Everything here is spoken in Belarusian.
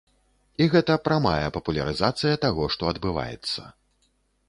І гэта прамая папулярызацыя таго, што адбываецца.